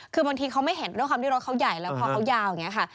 คือบางทีเขาไม่เห็นด้วยความที่รถเขาใหญ่แล้วพอเขายาวอย่างนี้ค่ะ